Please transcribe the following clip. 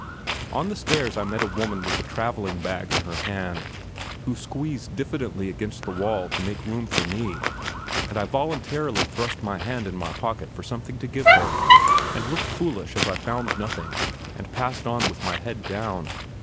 On the stairs I met a woman with a travelling bag in her hand, who squeezed diffidently against the wall to make room for me, and I voluntarily thrust my hand in my pocket for something to give her, and looked foolish as I found nothing and passed on with my head down.